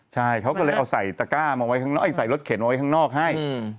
ใช่เขาก็เลยเอาใส่ตะก้ามาไว้ข้างนอกใส่รถเข็นไว้ข้างนอกให้